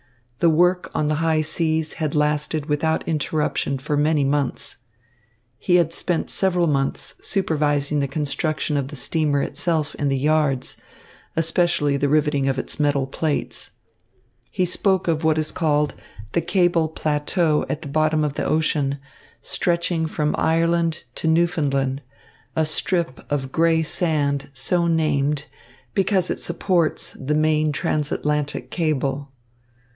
The work on the high seas had lasted without interruption for many months. He had spent several months supervising the construction of the steamer itself in the yards, especially the riveting of its metal plates. He spoke of what is called the cable plateau at the bottom of the ocean, stretching from Ireland to Newfoundland, a strip of grey sand so named because it supports the main transatlantic cable.